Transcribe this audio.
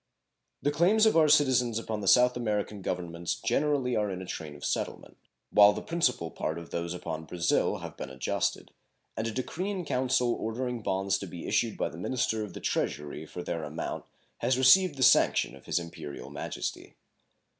The claims of our citizens upon the South American Governments generally are in a train of settlement, while the principal part of those upon Brazil have been adjusted, and a decree in council ordering bonds to be issued by the minister of the treasury for their amount has received the sanction of His Imperial Majesty.